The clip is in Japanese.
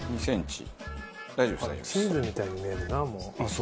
チーズみたいに見えるなもう。